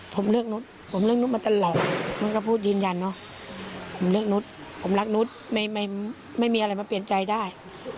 ผมเลือกนุฏผมรักนุฏไม่มีอะไรมาเปลี่ยนใจได้